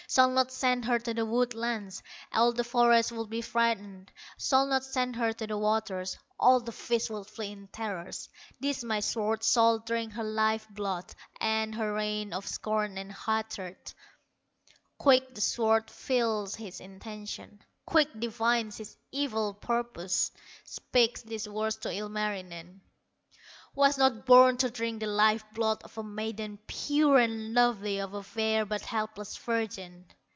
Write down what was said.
Shall not send her to the woodlands, All the forest would be frighted; Shall not send her to the waters, All the fish would flee in terror; This my sword shall drink her life blood, End her reign of scorn and hatred." Quick the sword feels his intention, Quick divines his evil purpose, Speaks these words to Ilmarinen: "Was not born to drink the life blood Of a maiden pure and lovely, Of a fair but helpless virgin."